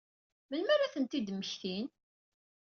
Melmi ara ad tent-id-mmektin?